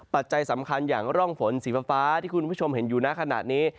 ปัจจัยสำคัญอย่างร่องฝนสีฟ้าที่คุณผู้ชมเห็นอยู่หน้าขณะนี้